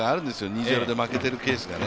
２−０で負けているケースがね。